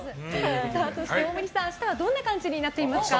大森さん、明日はどんな感じになっていますか？